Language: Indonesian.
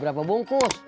berapa bungkus aja